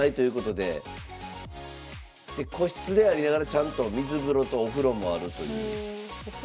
で個室でありながらちゃんと水風呂とお風呂もあるという。